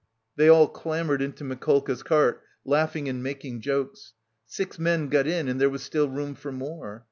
They all clambered into Mikolka's cart, laughing and making jokes. Six men got in and there was still room for more.